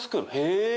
へえ！